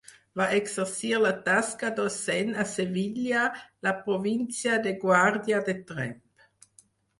Va exercir la tasca docent a Sevilla, la província de Guàrdia de Tremp.